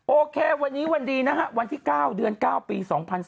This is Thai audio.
โอเควันนี้วันดีนะฮะวันที่๙เดือน๙ปี๒๐๑๙